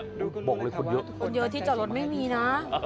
บอกเลยคนเยอะที่จอดรถไม่มีนะ